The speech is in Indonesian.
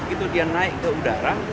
itu dia naik ke udara